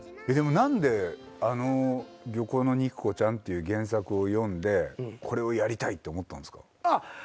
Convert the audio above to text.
何であの『漁港の肉子ちゃん』っていう原作を読んでこれをやりたいって思ったんすか？